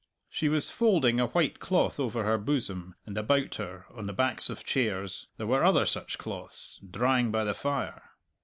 She was folding a white cloth over her bosom, and about her, on the backs of chairs, there were other such cloths, drying by the fire.